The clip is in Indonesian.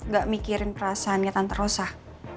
gak mikirin perasaan nyetan terus ah